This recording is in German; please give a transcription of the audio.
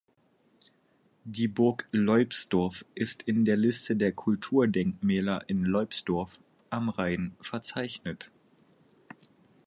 Die Burg Leubsdorf ist in der Liste der Kulturdenkmäler in Leubsdorf (am Rhein) verzeichnet.